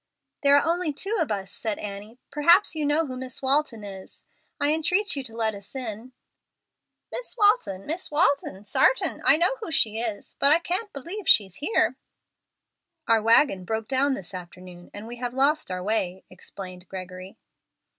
"There are only two of us," said Annie. "Perhaps you know who Miss Walton is. I entreat you to let us in." "Miss Walton, Miss Walton, sartin, I know who she is. But I can't believe she's here." "Our wagon broke down this afternoon, and we have lost our way," explained Gregory.